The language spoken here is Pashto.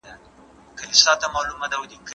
ایا ستا موضوع نوی والی لري؟